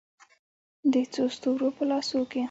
د څو ستورو په لاسو کې